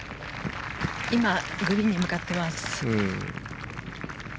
今グリーンに向かっています。